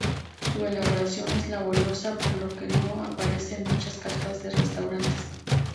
Su elaboración es laboriosa, por lo que no aparece en muchas cartas de restaurantes.